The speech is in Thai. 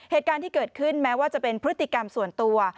เหตุการณ์ที่เกิดขึ้นแม้ว่าจะเป็นพฤติกรรมส่วนตัว